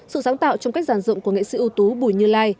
sự sáng tạo trong cách giàn dụng của nghệ sĩ ưu tú bùi như lai